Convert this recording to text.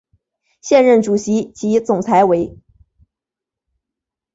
现任主席及总裁为。